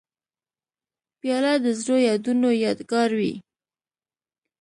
پیاله د زړو یادونو یادګار وي.